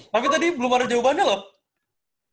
tapi tadi belum ada jawabannya loh